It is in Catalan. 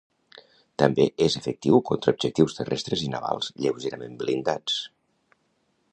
També és efectiu contra objectius terrestres i navals lleugerament blindats.